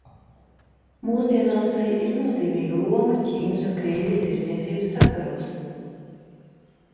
Mūsdienās tai ir nozīmīga loma Ķīnas un Krievijas tirdzniecības sakaros.